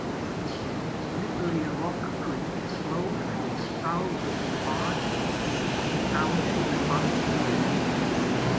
Slippery Rock Creek flows through the southeast part of the township past Boyers.